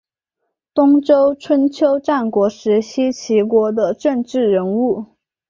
东周春秋战国时期齐国的政治人物。